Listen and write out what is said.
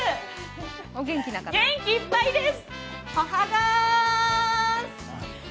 元気いっぱいです。